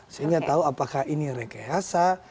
sehingga tahu apakah ini rekayasa